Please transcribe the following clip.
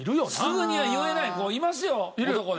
すぐには言えない子いますよ男で。